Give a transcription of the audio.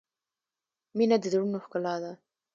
• مینه د زړونو ښکلا ده.